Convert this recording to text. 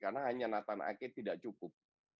karena hanya nathan ake tidak cukup